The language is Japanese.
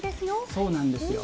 そうなんですよ。